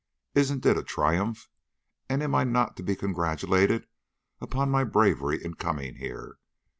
Isn't it a triumph? and am I not to be congratulated upon my bravery in coming here?